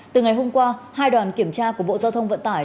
từ ngày hôm qua hai đoàn kiểm tra của bộ giao thông vận tải